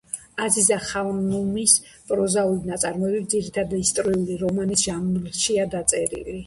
აზიზა ხანუმის პროზაული ნაწარმოებები ძირითადად ისტორიული რომანის ჟანრშია დაწერილი.